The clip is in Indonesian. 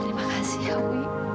terima kasih ibu